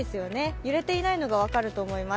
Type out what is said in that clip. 揺れていないのが分かると思います。